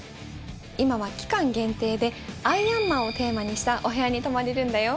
今は期間限定でアイアンマンをテーマにしたお部屋に泊まれるんだよ